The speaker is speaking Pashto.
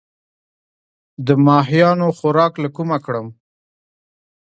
د ماهیانو خوراک له کومه کړم؟